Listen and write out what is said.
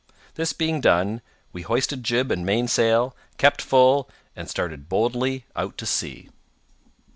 This being done, we hoisted jib and mainsail, kept full, and started boldly out to sea.